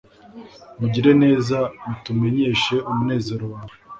Mugire neza mutumenyeshe umunezero wawe